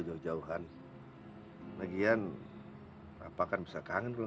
kalau papa kangen sama aku kan bisa tinggal telfon